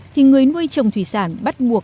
thì người nuôi trồng thủy sản bắt buộc